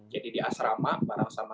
jadi di asrama bareng sama teman teman